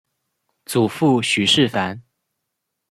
祖父许士蕃。